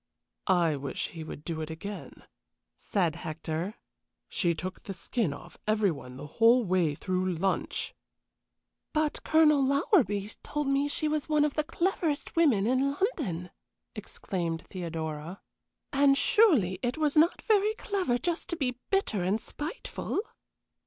"I wish he would do it again," said Hector. "She took the skin off every one the whole way through lunch." "But Colonel Lowerby told me she was one of the cleverest women in London!" exclaimed Theodora; "and surely it is not very clever just to be bitter and spiteful!"